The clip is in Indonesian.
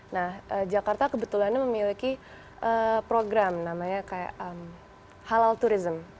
nah jakarta kebetulan memiliki program namanya halal turism